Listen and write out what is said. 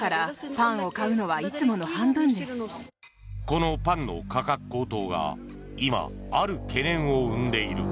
このパンの価格高騰が今ある懸念を生んでいる。